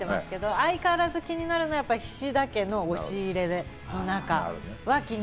相変わらず気になるのは菱田家の押入れの中。